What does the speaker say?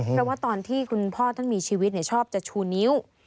เพราะว่าตอนที่คุณพ่อท่านมีชีวิตชอบจะชูนิ้ว